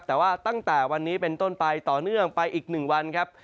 แต่ว่าตั้งแต่วันนี้เป็นต้นไปต่อเนื่องไปอีก๑วันครับ